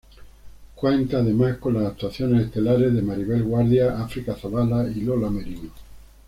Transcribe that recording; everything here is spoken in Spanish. Cuenta además con las actuaciones estelares de Maribel Guardia, África Zavala y Lola Merino.